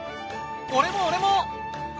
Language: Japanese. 俺も俺も！